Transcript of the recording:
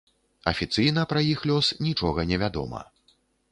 Афіцыйна пра іх лёс нічога невядома.